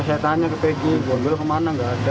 pagi saya tanya ke pegi bandung kemana gak ada